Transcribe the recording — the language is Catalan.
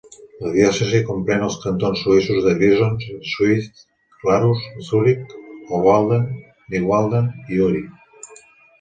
La diòcesi comprèn els cantons suïssos de Grisons, Schwyz, Glarus, Zuric, Obwalden, Nidwalden i Uri.